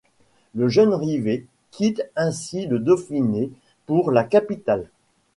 Le jeune Rivet quitte ainsi le Dauphiné pour la capitale.